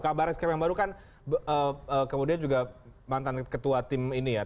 kabar es krim yang baru kan kemudian juga mantan ketua tim ini ya